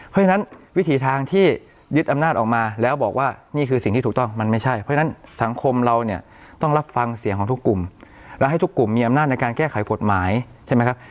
เพราะฉะนั้นวิถีทางที่ยึดอำนาจออกมาแล้วบอกว่านี่คือสิ่งที่ถูกต้องมันไม่ใช่เพราะฉะนั้นสังคมเราเนี่ยต้องรับฟังเสียงของทุกกลุ่มและให้ทุกกลุ่มมีอำนาจในการแก้ไขกฎหมายใช่ไหมครับ